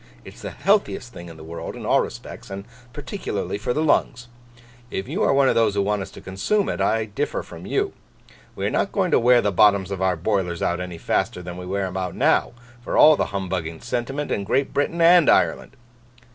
It's the healthiest thing in the world in all respects, and particularly for the lungs. If you are one of those who want us to consume it, I differ from you. We are not going to wear the bottoms of our boilers out any faster than we wear 'em out now, for all the humbugging sentiment in Great Britain and Ireland.